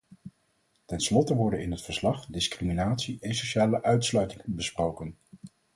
Tenslotte worden in het verslag discriminatie en sociale uitsluiting besproken.